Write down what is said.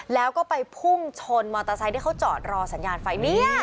แล้วก็ไปพุ่งชนมอเตอร์ไซค์ที่เขาจอดรอสัญญาณไฟเนี่ย